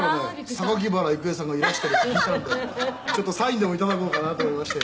榊原郁恵さんがいらしているって聞いたのでちょっとサインでも頂こうかなと思いまして。